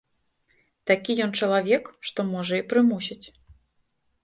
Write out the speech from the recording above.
Такі ён чалавек, што можа і прымусіць.